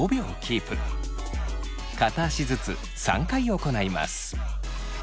片足ずつ３回行います。